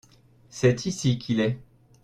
C'est ici qu'il est.